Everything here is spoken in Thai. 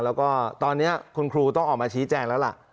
แล้วก็ตอนนี้คุณครูต้องออกมาชี้แจงแล้วล่ะ